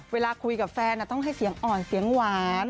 เวลาคุยกับแฟนต้องให้เสียงอ่อนเสียงหวาน